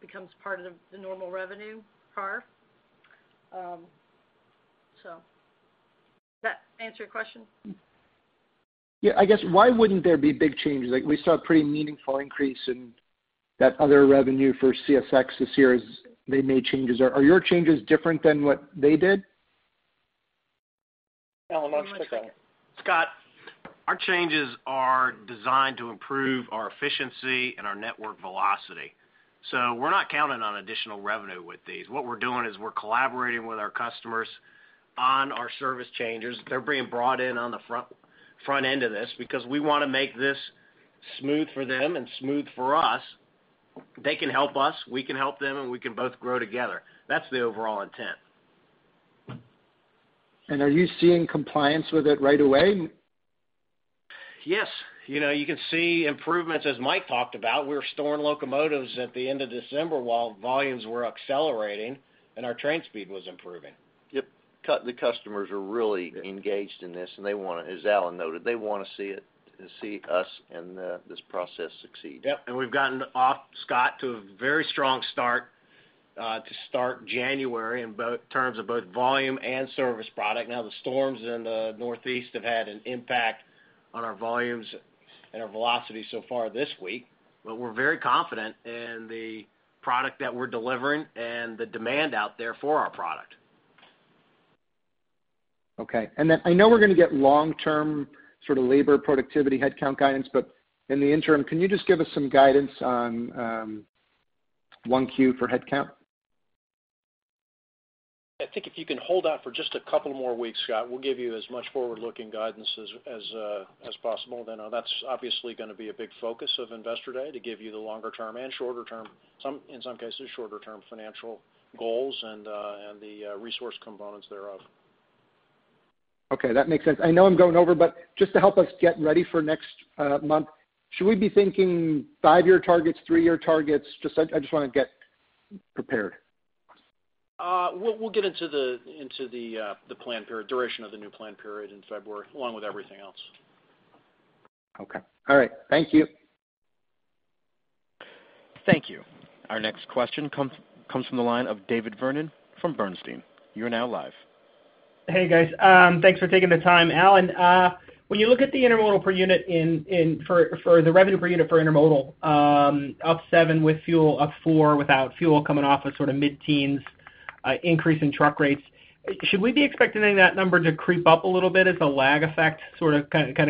becomes part of the normal revenue per. Does that answer your question? Yeah. I guess, why wouldn't there be big changes? We saw a pretty meaningful increase in that other revenue for CSX this year as they made changes. Are your changes different than what they did? Alan, why don't you take that? Scott, our changes are designed to improve our efficiency and our network velocity. We're not counting on additional revenue with these. What we're doing is we're collaborating with our customers on our service changes. They're being brought in on the front end of this because we want to make this smooth for them and smooth for us. They can help us, we can help them, and we can both grow together. That's the overall intent. Are you seeing compliance with it right away? Yes. You can see improvements, as Mike talked about. We were storing locomotives at the end of December while volumes were accelerating and our train speed was improving. Yep. The customers are really engaged in this, as Alan noted, they want to see us in this process succeed. Yep. We've gotten off, Scott, to a very strong start to start January in terms of both volume and service product. The storms in the Northeast have had an impact on our volumes and our velocity so far this week, we're very confident in the product that we're delivering and the demand out there for our product. Okay. Then I know we're going to get long-term labor productivity headcount guidance, in the interim, can you just give us some guidance on Q1 for headcount? I think if you can hold out for just a couple more weeks, Scott, we'll give you as much forward-looking guidance as possible then. That's obviously going to be a big focus of Investor Day, to give you the longer-term and shorter-term, in some cases, shorter-term financial goals and the resource components thereof. Okay, that makes sense. I know I'm going over, just to help us get ready for next month, should we be thinking five-year targets, three-year targets? I just want to get prepared. We'll get into the plan period, duration of the new plan period in February, along with everything else. Okay. All right. Thank you. Thank you. Our next question comes from the line of David Vernon from Bernstein. You are now live. Hey, guys. Thanks for taking the time. Alan, when you look at the intermodal per unit for the revenue per unit for intermodal, up seven with fuel, up four without fuel, coming off a mid-teens increase in truck rates, should we be expecting any of that number to creep up a little bit as the lag effect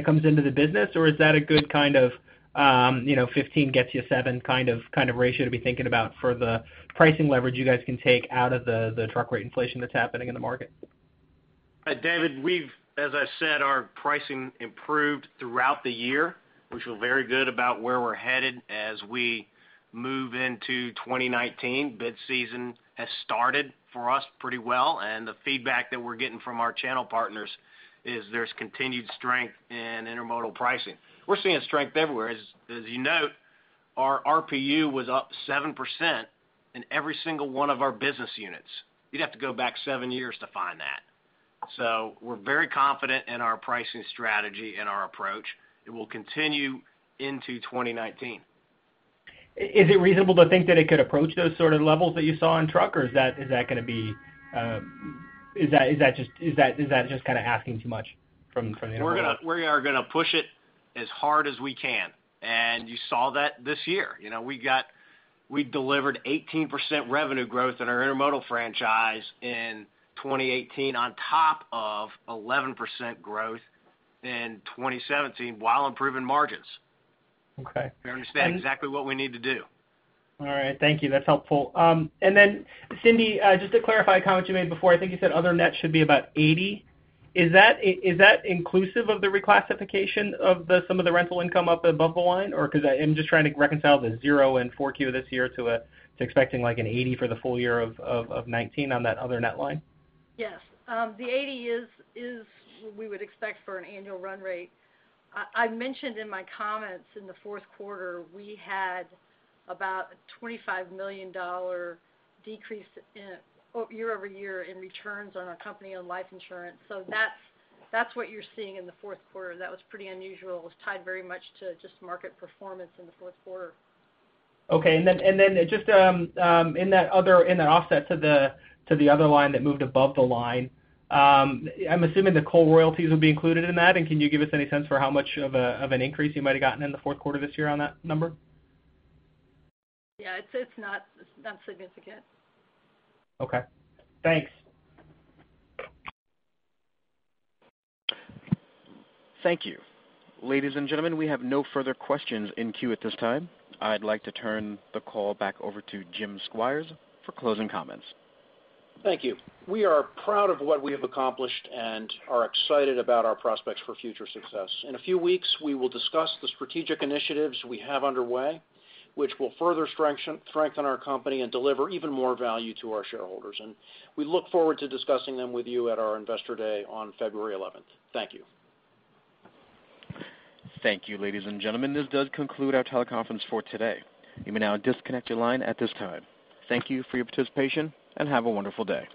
comes into the business? Or is that a good kind of 15 gets you seven kind of ratio to be thinking about for the pricing leverage you guys can take out of the truck rate inflation that's happening in the market? David, as I said, our pricing improved throughout the year. We feel very good about where we're headed as we move into 2019. Bid season has started for us pretty well, and the feedback that we're getting from our channel partners is there's continued strength in intermodal pricing. We're seeing strength everywhere. As you note, our RPU was up 7% in every single one of our business units. You'd have to go back seven years to find that. We're very confident in our pricing strategy and our approach. It will continue into 2019. Is it reasonable to think that it could approach those sort of levels that you saw in truck, or is that just kind of asking too much from the intermodal? We are going to push it as hard as we can, and you saw that this year. We delivered 18% revenue growth in our intermodal franchise in 2018 on top of 11% growth in 2017 while improving margins. Okay. We understand exactly what we need to do. All right. Thank you. That's helpful. Just to clarify a comment you made before, I think you said other net should be about 80. Is that inclusive of the reclassification of some of the rental income up above the line? Because I am just trying to reconcile the zero in Q4 this year to expecting like an 80 for the full year of 2019 on that other net line. Yes. The 80 is what we would expect for an annual run rate. I mentioned in my comments in the Q4, we had about a $25 million decrease year-over-year in returns on our company and life insurance. That's what you're seeing in the Q4. That was pretty unusual. It was tied very much to just market performance in the Q4. Okay. Just in that offset to the other line that moved above the line, I'm assuming the coal royalties would be included in that. Can you give us any sense for how much of an increase you might have gotten in the Q4 this year on that number? Yeah. It's not significant. Okay. Thanks. Thank you. Ladies and gentlemen, we have no further questions in queue at this time. I'd like to turn the call back over to Jim Squires for closing comments. Thank you. We are proud of what we have accomplished and are excited about our prospects for future success. In a few weeks, we will discuss the strategic initiatives we have underway, which will further strengthen our company and deliver even more value to our shareholders. We look forward to discussing them with you at our Investor Day on February 11th. Thank you. Thank you, ladies and gentlemen. This does conclude our teleconference for today. You may now disconnect your line at this time. Thank you for your participation, and have a wonderful day.